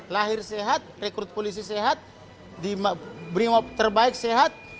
lahir sehat rekrut polisi sehat diberi wabah terbaik sehat